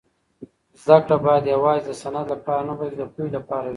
زده کړه باید یوازې د سند لپاره نه بلکې د پوهې لپاره وي.